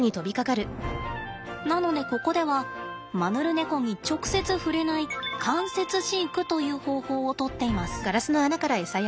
なのでここではマヌルネコに直接触れない間接飼育という方法をとっています。